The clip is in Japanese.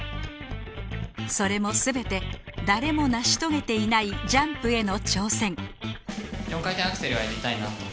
それも全て誰も成し遂げていないジャンプへの挑戦